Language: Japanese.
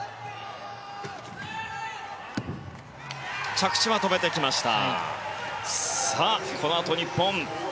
着地は止めてきました。